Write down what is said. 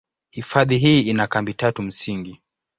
Hifadhi hii ina kambi tatu msingi.